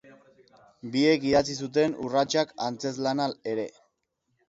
Biek idatzi zuten Errautsak antzezlana ere.